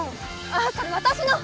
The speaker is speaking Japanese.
あっそれ私の！